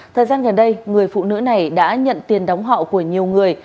thời gian gần đây người phụ nữ này đã nhận tiền đóng họ của nhiều người